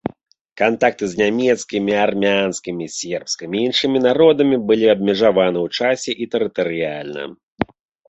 Кантакты з нямецкімі, армянскімі, сербскімі і іншымі народамі былі абмежаваны ў часе і тэрытарыяльна.